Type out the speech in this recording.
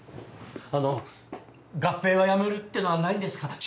あの合併はやめるってのはないんですか？